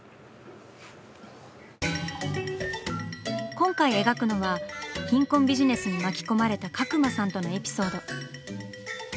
今回描くのは貧困ビジネスに巻き込まれた角間さんとのエピソード。